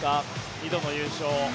２度の優勝。